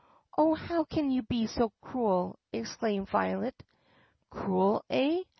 "Oh, how can you be so cruel!" exclaimed Violet. "Cruel, eh?